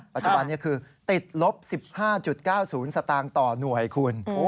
ปัจจุบันนี้คือติดลบ๑๕๙๐สตางค์ต่อหน่วยคุณ